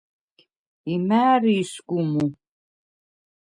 იმ’ა̄̈̈რი ისგუ მუ?